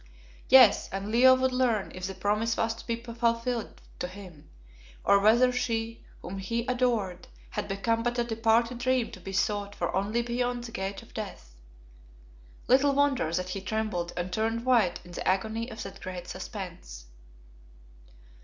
Yes, and Leo would learn if the promise was to be fulfilled to him, or whether she whom he adored had become but a departed dream to be sought for only beyond the gate of Death. Little wonder that he trembled and turned white in the agony of that great suspense.